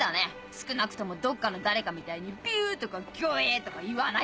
少なくともどっかの誰かみたいにビュとかギョエとか言わないからな。